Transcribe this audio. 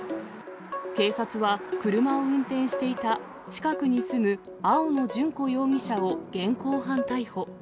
警察は、車を運転していた近くに住む青野純子容疑者を現行犯逮捕。